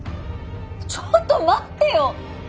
ちょっと待ってよ！